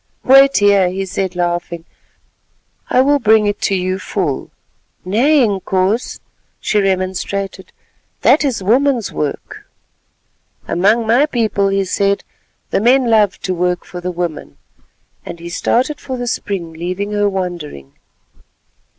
"Wait here," he said laughing; "I will bring it to you full." "Nay, Inkoos," she remonstrated, "that is a woman's work." "Among my people," he said, "the men love to work for the women," and he started for the spring, leaving her wondering.